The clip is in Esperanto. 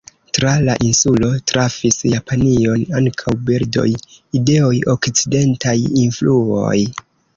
Tra la insulo trafis Japanion ankaŭ bildoj, ideoj, okcidentaj influoj.